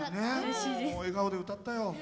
笑顔で歌ったよ。